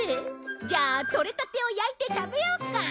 じゃあとれたてを焼いて食べようか。